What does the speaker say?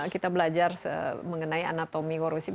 kita belajar mengenai anatomi korupsi